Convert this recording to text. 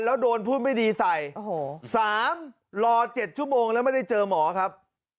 แล้วโดนพูดไม่ดีใส่๓รอ๗ชั่วโมงแล้วไม่ได้เจอหมอครับ